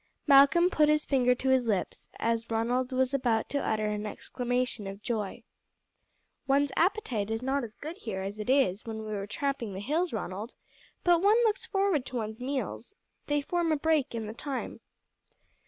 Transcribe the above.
Malcolm put his finger to his lips as Ronald was about to utter an exclamation of joy. "One's appetite is not as good here as it was when we were tramping the hills, Ronald; but one looks forward to one's meals; they form a break in the time."